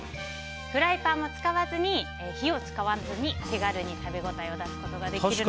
フライパン、火を使わずに手軽に食べ応えを出すことができます。